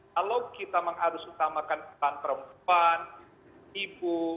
kalau kita mengadu utamakan perempuan ibu